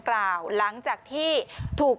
แนบเด่นแค่กู